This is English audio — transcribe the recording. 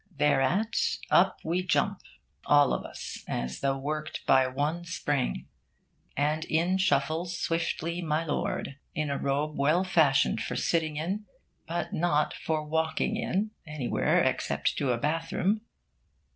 Thereat up we jump, all of us as though worked by one spring; and in shuffles swiftly My Lord, in a robe well fashioned for sitting in, but not for walking in anywhere except to a bath room.